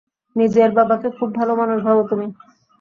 নিজের বাবাকে খুব ভালোমানুষ ভাবো তুমি।